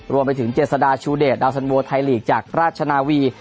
รวมไปถึงเจษฎาชูเดชดาวสันโวไทยลีกจากราชนาวี